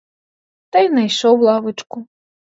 Та й найшов лавочку.